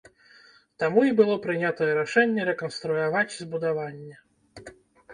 Таму і было прынятае рашэнне рэканструяваць збудаванне.